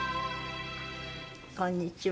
こんにちは。